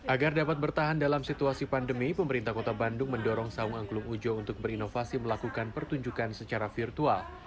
agar dapat bertahan dalam situasi pandemi pemerintah kota bandung mendorong saung angklung ujo untuk berinovasi melakukan pertunjukan secara virtual